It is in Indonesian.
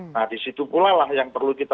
nah disitu pula lah yang perlu kita